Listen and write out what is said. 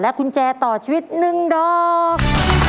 และกุญแจต่อชีวิตหนึ่งดอก